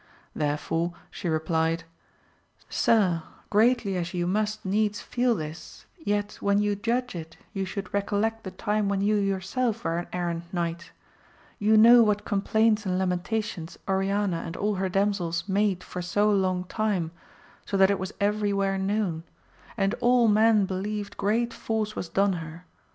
Therefore 106 AMADIS OF GAUL. she replied, Sir, greatly as you must needs feel this, yet when you judge it you should recollect the time when you yourself were an errant knight. You know what complaints and lamentations Oriana and all her damsels made for so long time, so that it was every where known, and all men believed great force was done her.